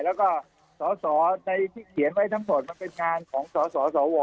แล้วก็สาวนึงเขียนไว้ทั้งหมดเป็นเรื่องของสาวสาวอวอ